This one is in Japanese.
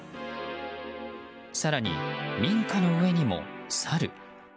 更に、民家の上にもサル。